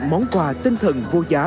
món quà tinh thần vô giá